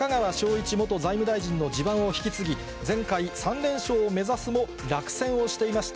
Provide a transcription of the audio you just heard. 一元財務大臣の地盤を引き継ぎ、前回３連勝を目指すも、落選をしていました。